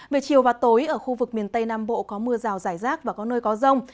về chiều và tối ở khu vực miền tây nam bộ có mưa rào rải rác và có nơi có rông